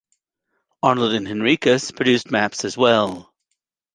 Arnold and Henricus produced maps as well.